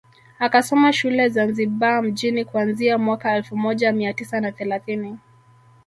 Akasoma shule Zanzibar mjini kuanzia mwaka elfu moja mia tisa na thelathini